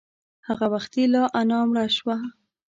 هغه وختي لا انا مړه شوه.